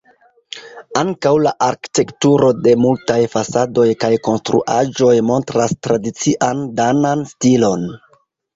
Ankaŭ la arkitekturo de multaj fasadoj kaj konstruaĵoj montras tradician danan stilon.